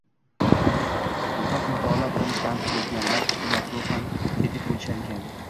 Ko‘proq mutolaa bilan band bo‘lganlar quvnoq, ruhan tetik bo‘lishar ekan.